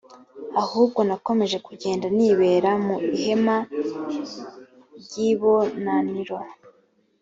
ahubwo nakomeje kugenda nibera mu ihema ry’ibonaniro